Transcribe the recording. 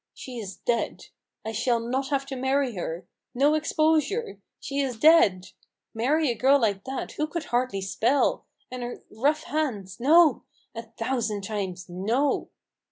" She is dead ! I shall not have to marry her. No exposure! She is dead. Marry a girl like that, who could hardly spell ! and her rough hands ! No! a thousand times, no!"